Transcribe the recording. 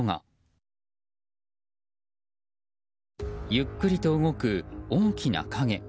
ゆっくりと動く大きな影。